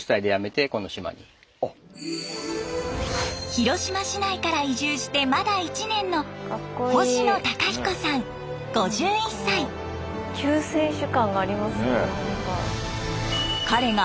広島市内から移住してまだ１年の救世主感がありますね。